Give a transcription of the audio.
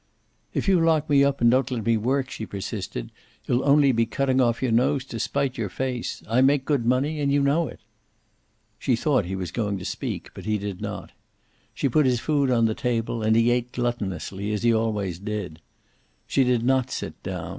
"If you lock me up and don't let me work," she persisted, "you'll only be cutting off your nose to spite your face. I make good money, and you know it." She thought he was going to speak then, but he did not. She put his food on the table and he ate gluttonously, as he always did. She did not sit down.